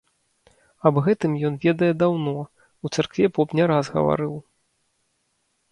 Аб гэтым ён ведае даўно, у царкве поп не раз гаварыў.